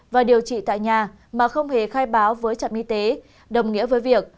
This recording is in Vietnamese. và điều trị tại nhà mà không hề khai báo với trạm y tế đồng nghĩa với việc